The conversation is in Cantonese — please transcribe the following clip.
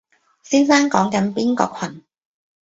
先生講緊邊個群？